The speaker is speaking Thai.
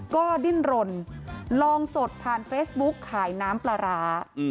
ก็ดิ้นรนลองสดผ่านเฟซบุ๊กขายน้ำปลาร้า